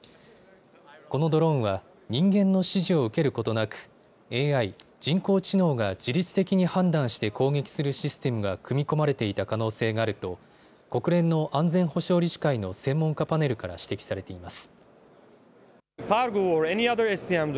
このドローンは人間の指示を受けることなくＡＩ・人工知能が自律的に判断して攻撃するシステムが組み込まれていた可能性があると国連の安全保障理事会の専門家パネルから指摘されています。